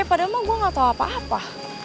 padahal gue nggak tau apa apa